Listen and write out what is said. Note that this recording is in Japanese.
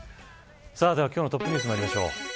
今日のトップニュースまいりましょう。